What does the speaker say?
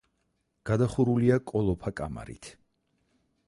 გადახურულია კოლოფა კამარით.